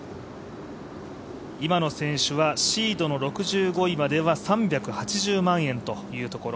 今野選手はシードの６５位までは３８０万円というところ。